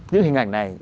những hình ảnh này